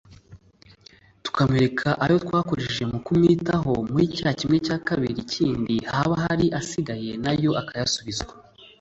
tukamwereka ayo twakoresheja mu kuwitaho muri cya kimwe cya kabiri kindi haba hari asigaye na yo akayasubizwa